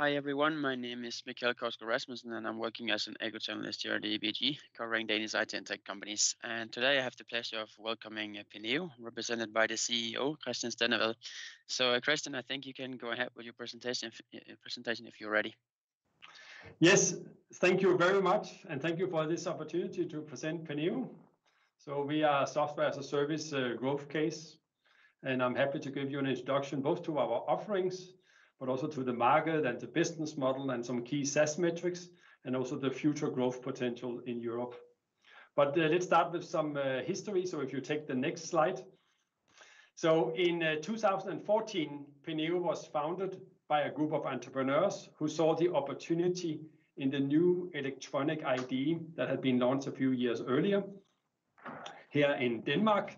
Hi, everyone. My name is Mikkel Korsgaard Rasmussen, and I'm working as an equity analyst here at DBG, covering Danish IT and tech companies. Today, I have the pleasure of welcoming Penneo, represented by the CEO, Christian Stendevad. So, Christian, I think you can go ahead with your presentation, if you're ready. Yes. Thank you very much, and thank you for this opportunity to present Penneo. So we are a Software as a Service, growth case, and I'm happy to give you an introduction, both to our offerings but also to the market and the business model and some key SaaS metrics, and also the future growth potential in Europe. But, let's start with some history, so if you take the next slide. So in 2014, Penneo was founded by a group of entrepreneurs who saw the opportunity in the new electronic ID that had been launched a few years earlier here in Denmark.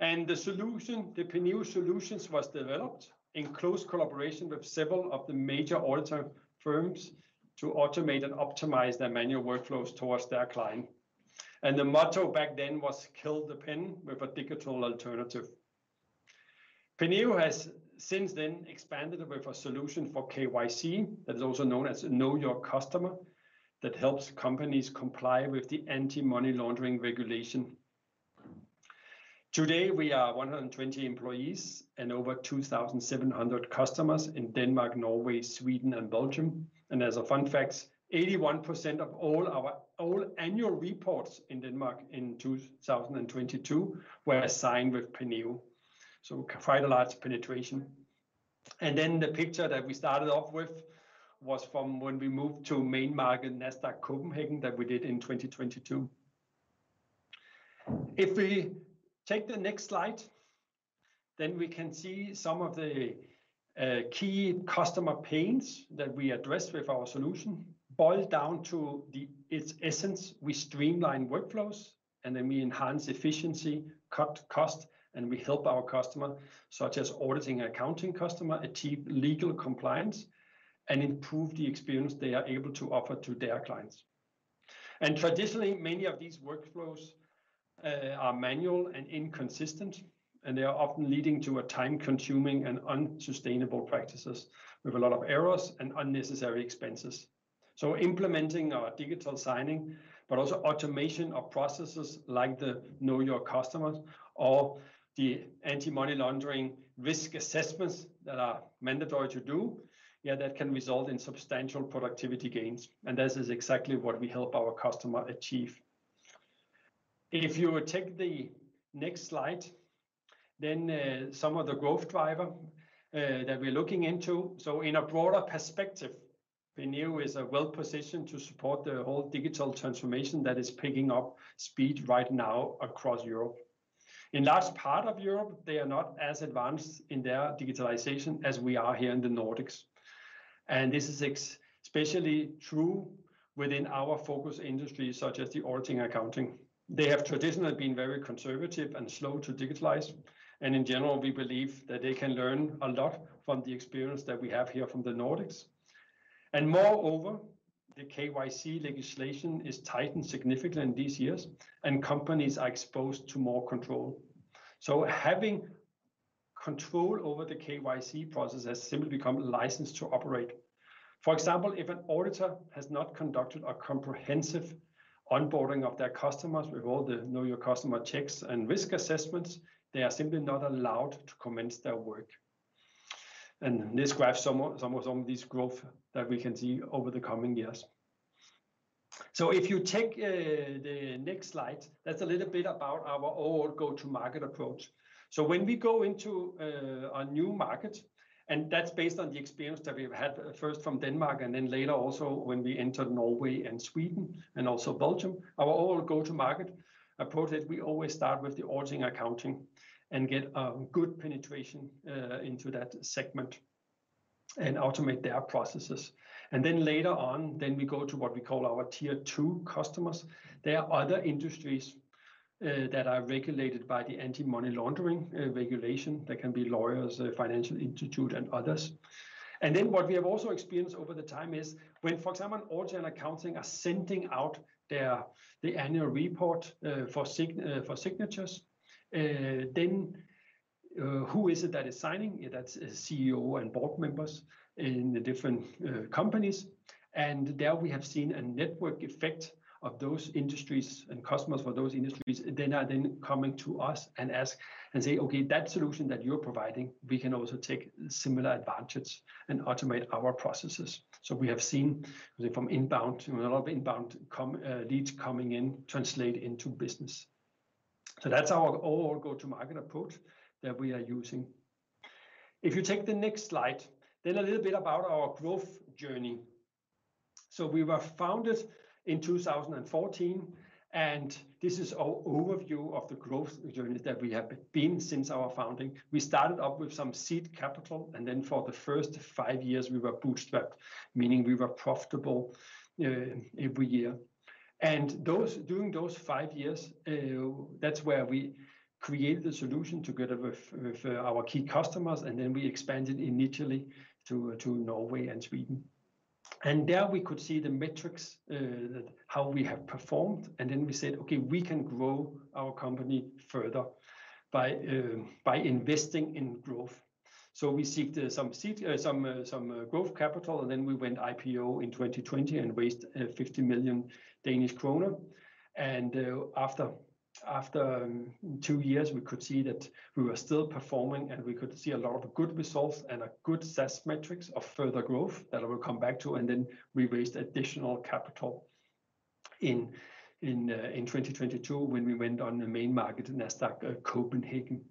And the solution, the Penneo solutions, was developed in close collaboration with several of the major auditor firms to automate and optimize their manual workflows towards their client. The motto back then was, "Kill the pen with a digital alternative." Penneo has since then expanded with a solution for KYC, that is also known as Know Your Customer, that helps companies comply with the Anti-Money Laundering regulation. Today, we are 120 employees and over 2,700 customers in Denmark, Norway, Sweden, and Belgium. As a fun fact, 81% of all annual reports in Denmark in 2022 were signed with Penneo, so quite a large penetration. Then the picture that we started off with was from when we moved to Main Market, Nasdaq Copenhagen, that we did in 2022. If we take the next slide, then we can see some of the key customer pains that we address with our solution. Boiled down to its essence, we streamline workflows, and then we enhance efficiency, cut cost, and we help our customer, such as auditing accounting customer, achieve legal compliance and improve the experience they are able to offer to their clients. Traditionally, many of these workflows are manual and inconsistent, and they are often leading to time-consuming and unsustainable practices, with a lot of errors and unnecessary expenses. Implementing our digital signing, but also automation of processes like the Know Your Customer or the Anti-Money Laundering risk assessments that are mandatory to do, yeah, that can result in substantial productivity gains, and this is exactly what we help our customer achieve. If you take the next slide, then some of the growth driver that we're looking into. In a broader perspective, Penneo is well-positioned to support the whole digital transformation that is picking up speed right now across Europe. In a large part of Europe, they are not as advanced in their digitalization as we are here in the Nordics, and this is especially true within our focus industries, such as auditing and accounting. They have traditionally been very conservative and slow to digitalize, and in general, we believe that they can learn a lot from the experience that we have here from the Nordics. Moreover, the KYC legislation is tightened significantly in these years, and companies are exposed to more control. Having control over the KYC process has simply become license to operate. For example, if an auditor has not conducted a comprehensive onboarding of their customers with all the Know Your Customer checks and risk assessments, they are simply not allowed to commence their work. This graph shows some of this growth that we can see over the coming years. So if you take the next slide, that's a little bit about our overall go-to-market approach. So when we go into a new market, and that's based on the experience that we've had, first from Denmark, and then later also when we entered Norway and Sweden, and also Belgium, our overall go-to-market approach is we always start with the auditing accounting and get a good penetration into that segment and automate their processes. And then later on, then we go to what we call our tier two customers. They are other industries that are regulated by the Anti-Money Laundering regulation. That can be lawyers, financial institutions, and others. And then what we have also experienced over time is, when, for example, auditors and accountants are sending out their annual report for signatures, then, who is it that is signing it? That's a CEO and board members in the different companies. And there we have seen a network effect of those industries and customers for those industries. They are then coming to us and ask, and say, "Okay, that solution that you're providing, we can also take similar advantage and automate our processes." So we have seen from inbound, a lot of inbound leads coming in translate into business. So that's our overall go-to-market approach that we are using. If you take the next slide, then a little bit about our growth journey. So we were founded in 2014, and this is an overview of the growth journey that we have been since our founding. We started off with some seed capital, and then for the first five years, we were bootstrapped, meaning we were profitable every year. And those, during those five years, that's where we created the solution together with our key customers, and then we expanded initially to Norway and Sweden... And there we could see the metrics that how we have performed. And then we said, "Okay, we can grow our company further by investing in growth." So we sought some growth capital, and then we went IPO in 2020 and raised DKK 50 million. After two years, we could see that we were still performing, and we could see a lot of good results and a good SaaS metrics of further growth, that I will come back to, and then we raised additional capital in 2022, when we went on the Main Market in Nasdaq Copenhagen.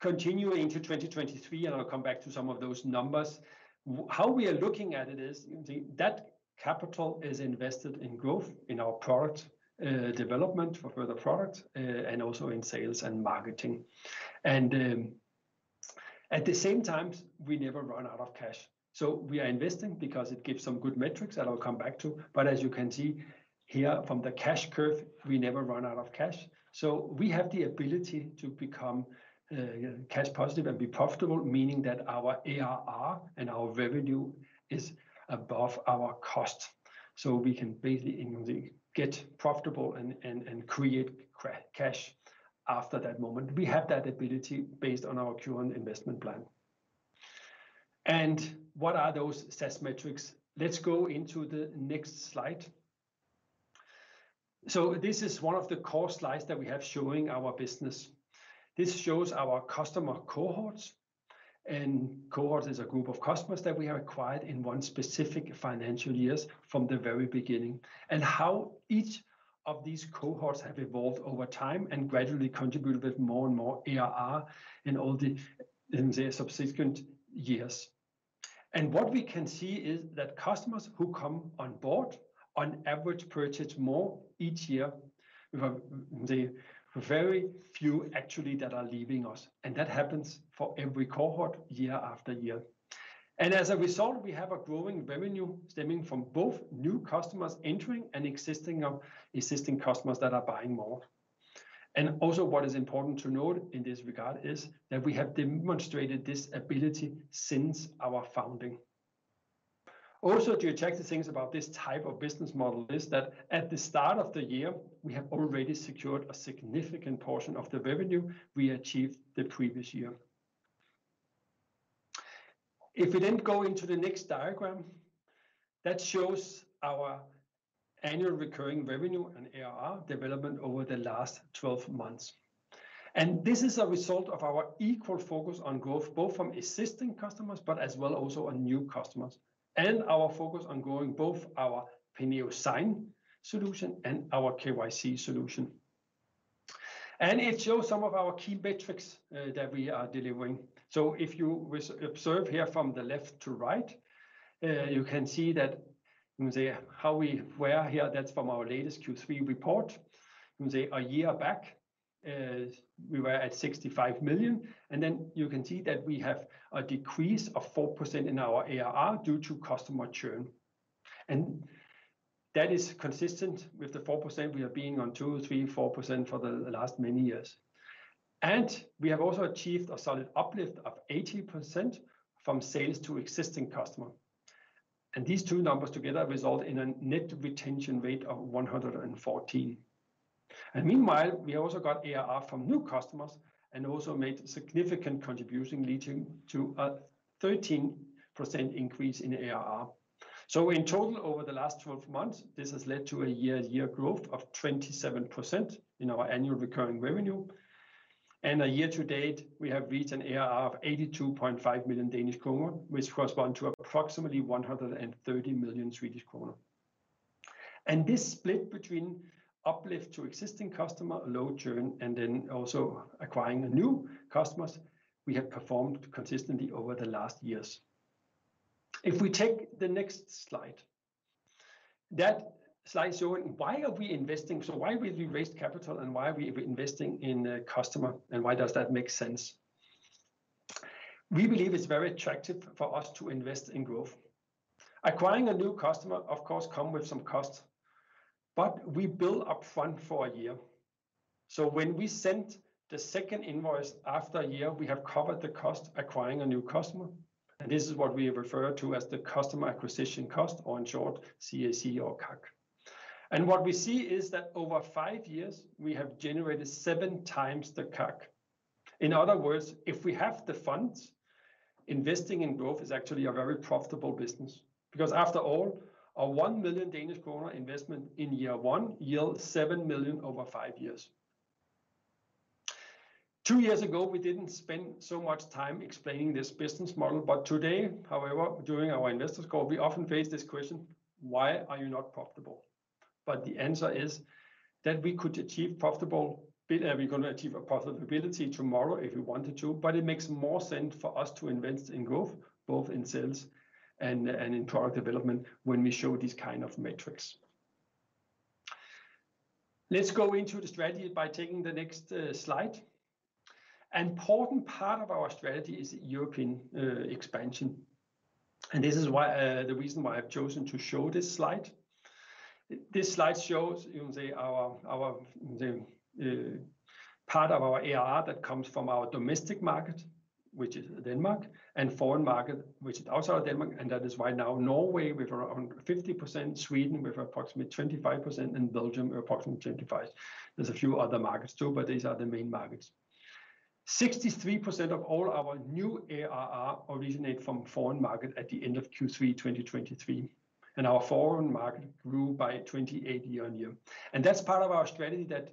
Continuing to 2023, and I'll come back to some of those numbers, how we are looking at it is that capital is invested in growth in our product development for further product, and also in sales and marketing. At the same time, we never run out of cash. So we are investing because it gives some good metrics that I'll come back to, but as you can see here from the cash curve, we never run out of cash. So we have the ability to become cash positive and be profitable, meaning that our ARR and our revenue is above our cost. So we can basically get profitable and create cash after that moment. We have that ability based on our current investment plan. And what are those SaaS metrics? Let's go into the next slide. So this is one of the core slides that we have showing our business. This shows our customer cohorts, and cohorts is a group of customers that we have acquired in one specific financial years from the very beginning, and how each of these cohorts have evolved over time and gradually contributed with more and more ARR in all the subsequent years. And what we can see is that customers who come on board on average purchase more each year. We have the very few actually that are leaving us, and that happens for every cohort, year after year. And as a result, we have a growing revenue stemming from both new customers entering and existing, existing customers that are buying more. And also, what is important to note in this regard is that we have demonstrated this ability since our founding. Also, the attractive things about this type of business model is that at the start of the year, we have already secured a significant portion of the revenue we achieved the previous year. If we then go into the next diagram, that shows our annual recurring revenue and ARR development over the last 12 months. This is a result of our equal focus on growth, both from existing customers, but as well also on new customers, and our focus on growing both our Penneo Sign solution and our KYC solution. It shows some of our key metrics that we are delivering. So if you observe here from the left to right, you can see that, you can say, how we were here, that's from our latest Q3 report. You can say a year back, we were at 65 million, and then you can see that we have a decrease of 4% in our ARR due to customer churn. And that is consistent with the 4%. We have been on 2%, 3%, 4% for the last many years. And we have also achieved a solid uplift of 18% from sales to existing customer. These two numbers together result in a Net Retention Rate of 114. Meanwhile, we also got ARR from new customers and also made significant contribution, leading to a 13% increase in ARR. In total, over the last 12 months, this has led to a year-to-year growth of 27% in our annual recurring revenue, and year-to-date, we have reached an ARR of 82.5 million Danish kroner, which correspond to approximately 130 million Swedish kronor. This split between uplift to existing customer, low churn, and then also acquiring new customers, we have performed consistently over the last years. If we take the next slide. That slide showing why are we investing? Why we raised capital, and why are we investing in the customer, and why does that make sense? We believe it's very attractive for us to invest in growth. Acquiring a new customer, of course, comes with some costs, but we bill upfront for a year. So when we send the second invoice after a year, we have covered the cost acquiring a new customer, and this is what we refer to as the customer acquisition cost, or in short, CAC or CAC. And what we see is that over five years, we have generated seven times the CAC. In other words, if we have the funds, investing in growth is actually a very profitable business, because after all, a 1 million Danish kroner investment in year one yields 7 million over five years. Two years ago, we didn't spend so much time explaining this business model, but today, however, during our investors call, we often face this question: "Why are you not profitable?" But the answer is that we could achieve profitable bi-, we're gonna achieve a profitability tomorrow if we wanted to, but it makes more sense for us to invest in growth, both in sales and, and in product development, when we show these kind of metrics. Let's go into the strategy by taking the next slide. An important part of our strategy is European expansion, and this is why, the reason why I've chosen to show this slide.... This slide shows, you can say, the part of our ARR that comes from our domestic market, which is Denmark, and foreign market, which is outside of Denmark, and that is right now Norway, with around 50%, Sweden with approximately 25%, and Belgium approximately 25%. There's a few other markets, too, but these are the Main Markets. 63% of all our new ARR originate from foreign market at the end of Q3 2023, and our foreign market grew by 28% year-on-year. That's part of our strategy that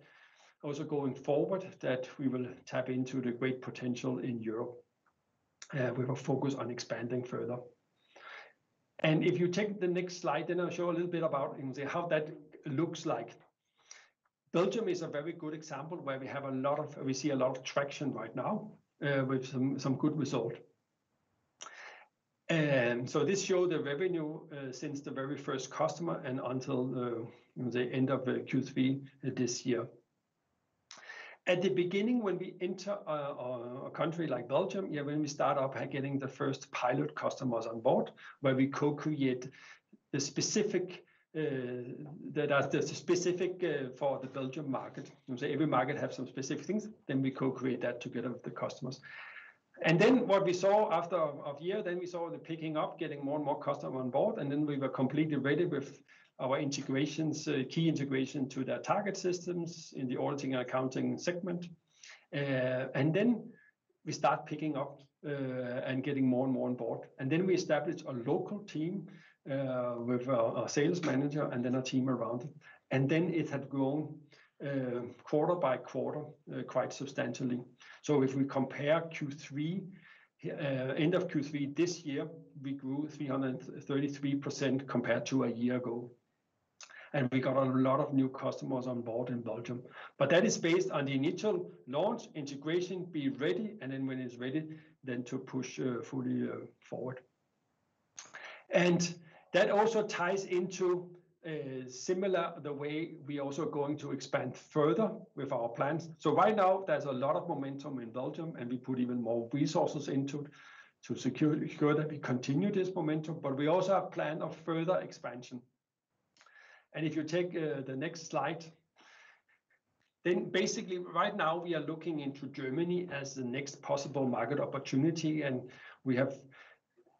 also going forward, that we will tap into the great potential in Europe. We will focus on expanding further. If you take the next slide, then I'll show a little bit about, you can say, how that looks like. Belgium is a very good example where we have a lot of we see a lot of traction right now, with some good result. And so this show the revenue, since the very first customer and until the end of Q3 this year. At the beginning, when we enter a country like Belgium, yeah, when we start up getting the first pilot customers on board, where we co-create the specific that are the specific for the Belgium market. You can say, every market have some specific things, then we co-create that together with the customers. And then what we saw after of year, then we saw the picking up, getting more and more customer on board, and then we were completely ready with our integrations, key integration to their target systems in the auditing and accounting segment. And then we start picking up, and getting more and more on board. And then we established a local team, with a sales manager and then a team around it. And then it had grown, quarter by quarter, quite substantially. So if we compare Q3, end of Q3 this year, we grew 333% compared to a year ago, and we got a lot of new customers on board in Belgium. But that is based on the initial launch, integration, be ready, and then when it's ready, then to push, fully, forward. And that also ties into, similar, the way we also going to expand further with our plans. So right now there's a lot of momentum in Belgium, and we put even more resources into it to secure, ensure that we continue this momentum, but we also have plan of further expansion. If you take the next slide, then basically right now we are looking into Germany as the next possible market opportunity, and we have...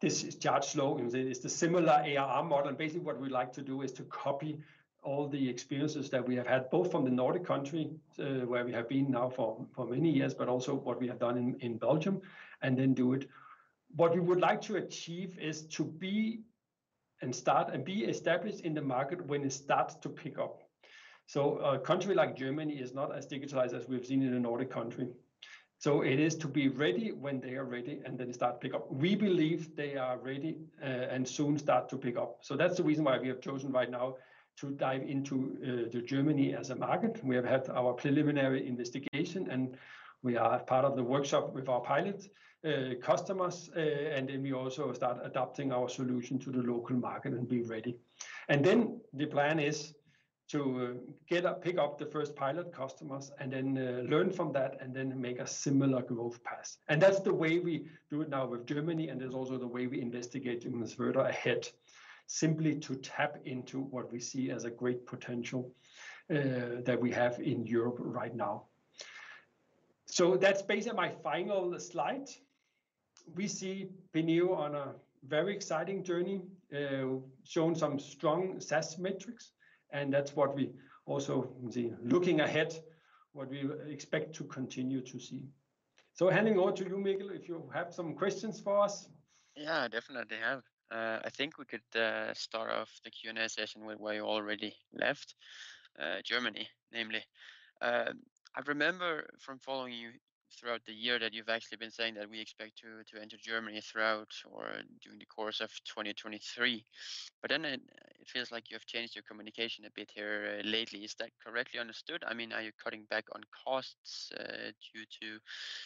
This is chart showing. It's the similar ARR model. Basically what we like to do is to copy all the experiences that we have had, both from the Nordic country, where we have been now for many years, but also what we have done in Belgium, and then do it. What we would like to achieve is to be, and start, and be established in the market when it starts to pick up. So a country like Germany is not as digitalized as we've seen in the Nordic country, so it is to be ready when they are ready and then start pick up. We believe they are ready, and soon start to pick up, so that's the reason why we have chosen right now to dive into, to Germany as a market. We have had our preliminary investigation, and we are part of the workshop with our pilot, customers. And then we also start adapting our solution to the local market and be ready. And then the plan is to, get up, pick up the first pilot customers and then, learn from that, and then make a similar growth path. And that's the way we do it now with Germany, and it's also the way we investigate further ahead, simply to tap into what we see as a great potential that we have in Europe right now. So that's basically my final slide. We see Penneo on a very exciting journey, showing some strong SaaS metrics, and that's what we also, looking ahead, what we expect to continue to see. So handing over to you, Mikkel, if you have some questions for us? Yeah, definitely I have. I think we could start off the Q&A session where we already left, Germany, namely. I remember from following you throughout the year, that you've actually been saying that we expect to enter Germany throughout or during the course of 2023. But then it feels like you have changed your communication a bit here lately. Is that correctly understood? I mean, are you cutting back on costs, due to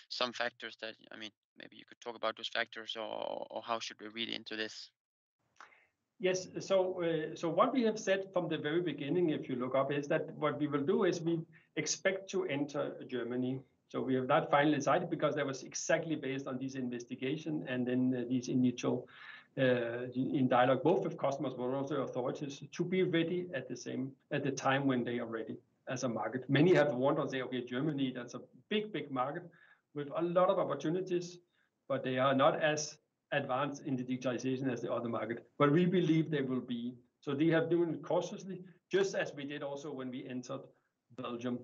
some factors that... I mean, maybe you could talk about those factors, or how should we read into this? Yes. So, so what we have said from the very beginning, if you look up, is that what we will do is we expect to enter Germany. So we have not finally decided, because that was exactly based on this investigation and then this initial, in dialogue, both with customers but also authorities, to be ready at the same, at the time when they are ready as a market. Many have wondered, okay, Germany, that's a big, big market with a lot of opportunities, but they are not as advanced in the digitization as the other market. But we believe they will be, so we have doing it cautiously, just as we did also when we entered Belgium.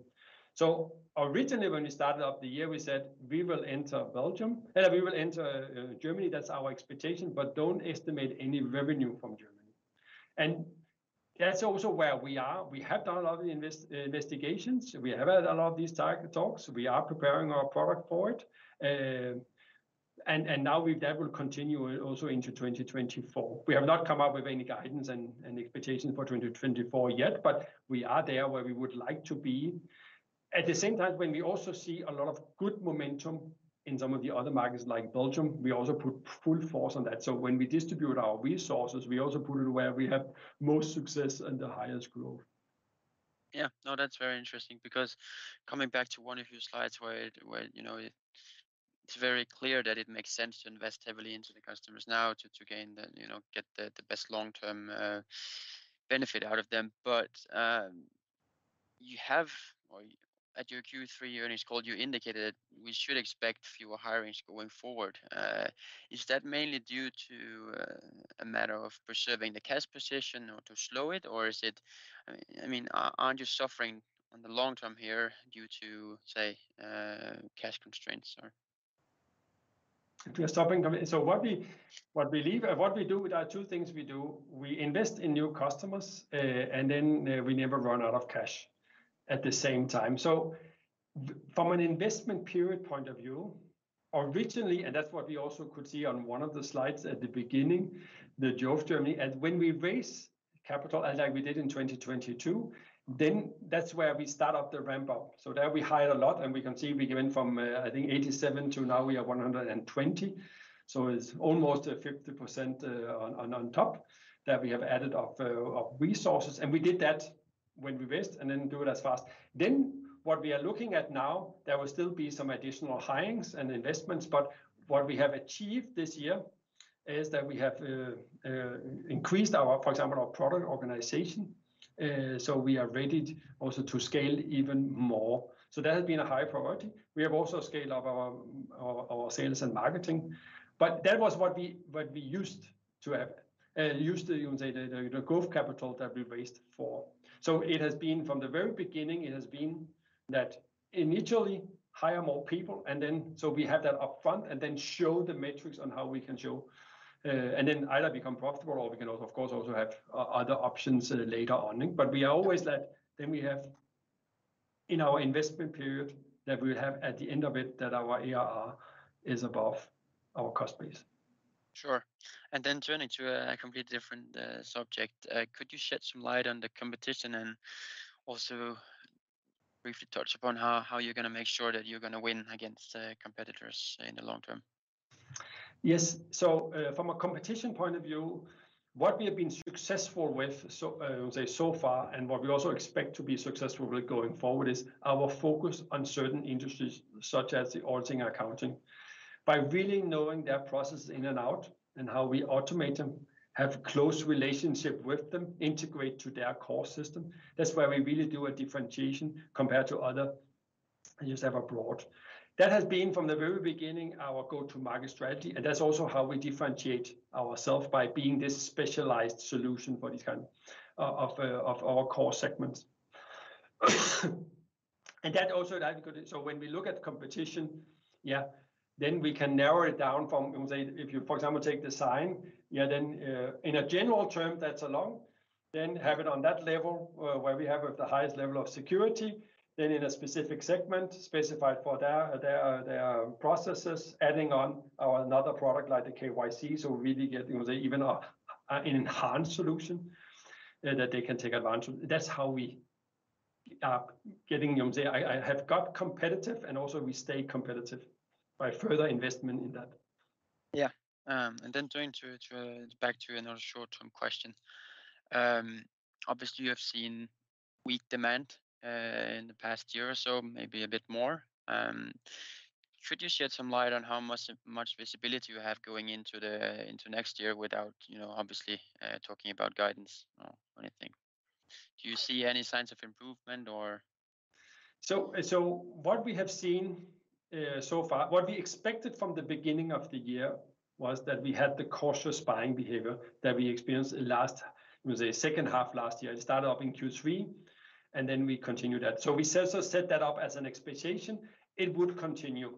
So originally, when we started off the year, we said, "We will enter Belgium... We will enter, Germany. That's our expectation, but don't estimate any revenue from Germany." And that's also where we are. We have done a lot of investigations. We have had a lot of these target talks. We are preparing our product for it. And now that will continue also into 2024. We have not come up with any guidance and expectations for 2024 yet, but we are there where we would like to be. At the same time, when we also see a lot of good momentum in some of the other markets, like Belgium, we also put full force on that. So when we distribute our resources, we also put it where we have most success and the highest growth.... Yeah. No, that's very interesting, because coming back to one of your slides, where, you know, it, it's very clear that it makes sense to invest heavily into the customers now to gain the, you know, get the best long-term benefit out of them. But, or at your Q3 earnings call, you indicated we should expect fewer hirings going forward. Is that mainly due to a matter of preserving the cash position or to slow it, or is it... I mean, aren't you suffering in the long term here due to, say, cash constraints or? So what we leave, what we do with our two things we do, we invest in new customers, and then we never run out of cash at the same time. So from an investment period point of view, originally, and that's what we also could see on one of the slides at the beginning, the growth journey, and when we raise capital, as like we did in 2022, then that's where we start up the ramp up. So there we hired a lot, and we can see we went from, I think 87 to now we are 120. So it's almost a 50%, on top that we have added of resources, and we did that when we raised, and then do it as fast. Then what we are looking at now, there will still be some additional hirings and investments, but what we have achieved this year is that we have increased our, for example, our product organization. So we are ready also to scale even more. So that has been a high priority. We have also scaled up our sales and marketing, but that was what we used to have, used to, you can say, the growth capital that we raised for. So it has been, from the very beginning, it has been that initially hire more people, and then so we have that upfront, and then show the metrics on how we can show, and then either become profitable or we can, of course, also have other options later on. But we are always that, then we have in our investment period, that we have at the end of it, that our ARR is above our cost base. Sure. And then turning to a complete different subject, could you shed some light on the competition and also briefly touch upon how you're gonna make sure that you're gonna win against competitors in the long term? Yes. So, from a competition point of view, what we have been successful with so far, and what we also expect to be successful with going forward, is our focus on certain industries, such as the auditing, accounting. By really knowing their processes in and out and how we automate them, have close relationship with them, integrate to their core system, that's where we really do a differentiation compared to other users have abroad. That has been, from the very beginning, our go-to-market strategy, and that's also how we differentiate ourself, by being this specialized solution for this kind, of our core segments. And that also that we could... So when we look at competition, yeah, then we can narrow it down from, say, if you, for example, take the Sign, yeah, then, in a general term, that's along, then have it on that level, where we have the highest level of security, then in a specific segment, specified for their processes, adding on our another product like the KYC. So really get, you know, say, even an enhanced solution, that they can take advantage of. That's how we are getting, you know, say, I have got competitive and also we stay competitive by further investment in that. Yeah. And then turning back to another short-term question. Obviously, you have seen weak demand in the past year or so, maybe a bit more. Could you shed some light on how much visibility you have going into next year without, you know, obviously, talking about guidance or anything? Do you see any signs of improvement or...? So, what we have seen so far, what we expected from the beginning of the year, was that we had the cautious buying behavior that we experienced last, we say, second half last year. It started off in Q3, and then we continued that. So we set that up as an expectation it would continue.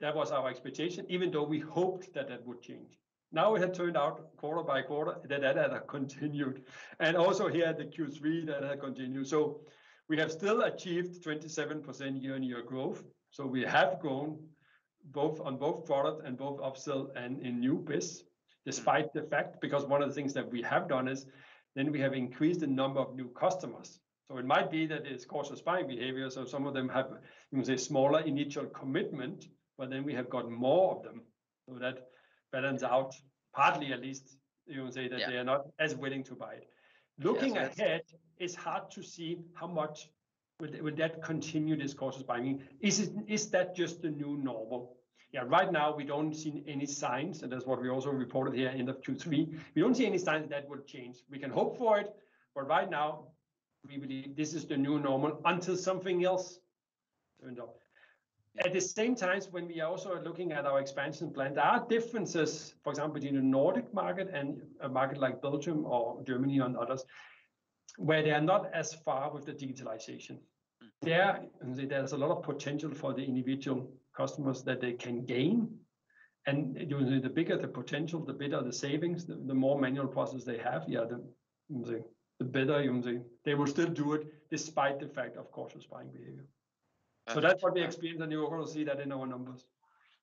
That was our expectation, even though we hoped that that would change. Now it had turned out quarter by quarter that that had continued, and also here the Q3, that had continued. So we have still achieved 27% year-on-year growth, so we have grown both on both product and both upsell and in new biz, despite the fact... Because one of the things that we have done is then we have increased the number of new customers. So it might be that it's cautious buying behavior, so some of them have, you can say, smaller initial commitment, but then we have got more of them, so that balances out, partly at least, you can say- Yeah... that they are not as willing to buy. Yes, that's- Looking ahead, it's hard to see how much will that continue, this cautious buying? Is that just the new normal? Yeah, right now we don't see any signs, and that's what we also reported here end of Q3. We don't see any signs that would change. We can hope for it, but right now, we believe this is the new normal until something else turned up. At the same time, when we also are looking at our expansion plan, there are differences, for example, between the Nordic market and a market like Belgium or Germany and others, where they are not as far with the digitalization. There, there's a lot of potential for the individual customers that they can gain, and, you know, the bigger the potential, the better the savings. The better, you can say. They will still do it, despite the fact of cautious buying behavior. Absolutely. So that's what we expect, and you will see that in our numbers.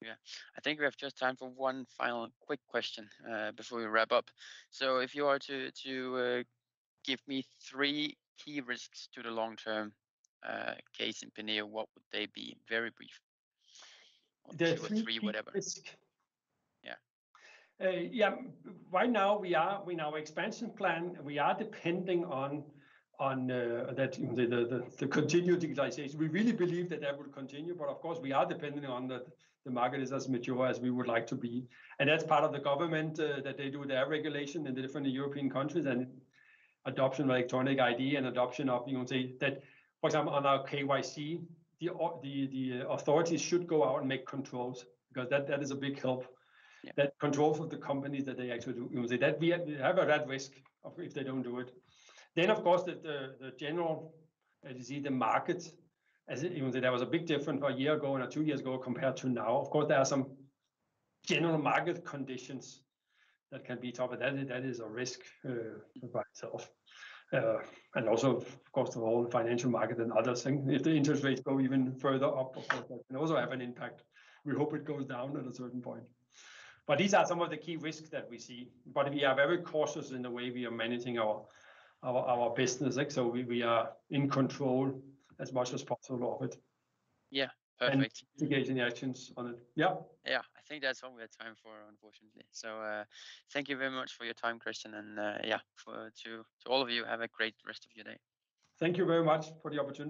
Yeah. I think we have just time for one final quick question before we wrap up. So if you are to give me three key risks to the long-term case in Penneo, what would they be? Very brief. The three key- 2 or 3, whatever... risk? Yeah. Yeah, right now we are in our expansion plan, we are depending on the continued digitalization. We really believe that will continue, but of course, we are dependent on the market is as mature as we would like to be. And that's part of the government that they do their regulation in the different European countries and adoption of electronic ID and adoption of, you can say, that, for example, on our KYC, the authorities should go out and make controls, because that is a big help. Yeah. That controls of the companies that they actually do. You can say, that we have that risk of, if they don't do it. Then, of course, the general, as you see, the market, as even there was a big difference a year ago and or two years ago compared to now. Of course, there are some general market conditions that can be tough, and that is a risk by itself. And also, of course, the whole financial market and other things. If the interest rates go even further up, of course, that can also have an impact. We hope it goes down at a certain point. But these are some of the key risks that we see, but we are very cautious in the way we are managing our business, like, so we are in control as much as possible of it. Yeah, perfect. Engaging the actions on it. Yeah? Yeah. I think that's all we have time for, unfortunately. So, thank you very much for your time, Christian, and, yeah, for to all of you, have a great rest of your day. Thank you very much for the opportunity.